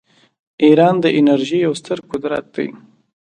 ایران د انرژۍ یو ستر قدرت دی.